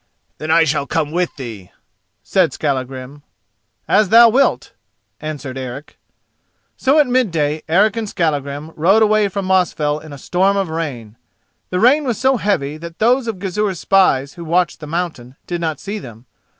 "Then I shall come with thee," said Skallagrim. "As thou wilt," answered Eric. So at midday Eric and Skallagrim rode away from Mosfell in a storm of rain. The rain was so heavy that those of Gizur's spies who watched the mountain did not see them.